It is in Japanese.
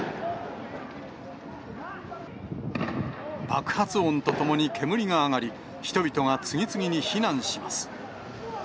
爆発音とともに煙が上がり、人々が次々に避難します。